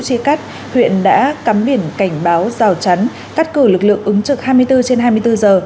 chia cắt huyện đã cắm biển cảnh báo rào chắn cắt cử lực lượng ứng trực hai mươi bốn trên hai mươi bốn giờ